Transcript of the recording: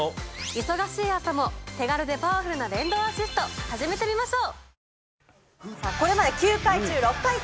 忙しい朝も手軽でパワフルな電動アシスト始めてみましょう。